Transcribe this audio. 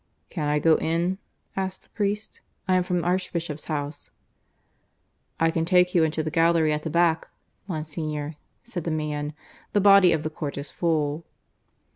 "Can I go in?" asked the priest. "I am from Archbishop's House." "I can take you into the gallery at the back, Monsignor," said the man. "The body of the court is full."